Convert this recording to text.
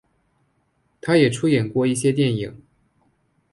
他也出演过一些电影。